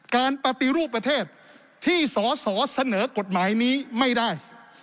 การปฏิรูปประเทศที่สสเสนอกฎหมายนี้ไม่ได้